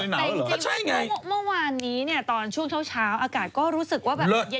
ไม่แต่จริงเพราะเมื่อวานนี้ตอนช่วงเช้าอากาศก็รู้สึกว่าแบบ